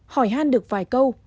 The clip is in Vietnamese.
hỏi han được vài câu